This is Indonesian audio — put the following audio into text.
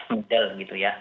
mudah gitu ya